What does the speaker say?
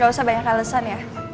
gak usah banyak halsan ya